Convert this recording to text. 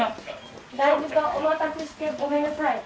だいぶとお待たせしてごめんなさい。